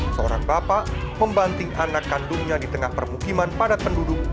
seorang bapak membanting anak kandungnya di tengah permukiman padat penduduk